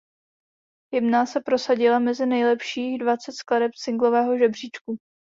Hymna se prosadila mezi nejlepších dvacet skladeb singlového žebříčku.